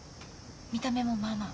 見た目もまあまあ？